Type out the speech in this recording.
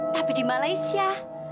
tapi di malaysia